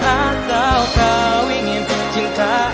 atau kau ingin ku menjauh